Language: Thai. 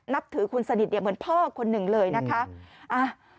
นับถือคุณสนิทเหมือนพ่อคนหนึ่งเลยนะคะ